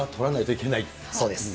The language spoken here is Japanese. そうです。